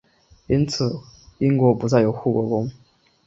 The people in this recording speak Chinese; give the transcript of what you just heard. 此后英国不再有护国公。